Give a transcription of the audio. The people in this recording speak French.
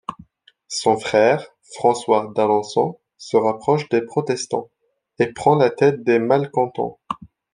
Son frère, François d'Alençon, se rapproche des protestants, et prend la tête des Malcontents.